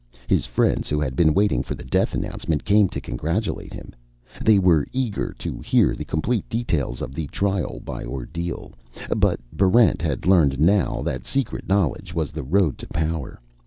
His friends, who had been waiting for the death announcement, came to congratulate him. They were eager to hear the complete details of the Trial by Ordeal; but Barrent had learned now that secret knowledge was the road to power.